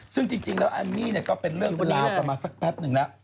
ซึ่งจริงแล้วอันนี้เนี่ยก็เป็นเรื่องเวลาต่อมาสักแป๊บหนึ่งนะ